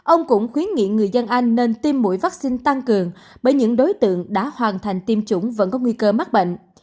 ông cũng khuyến nghị người dân anh nên tiêm mũi vaccine tăng cường bởi những đối tượng đã hoàn thành tiêm chủng vẫn có nguy cơ mắc bệnh